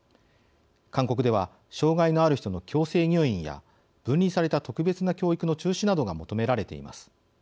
勧告では障害のある人の強制入院や分離された特別な教育の中止などが求められています。